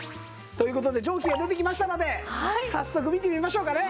という事で蒸気が出てきましたので早速見てみましょうかね！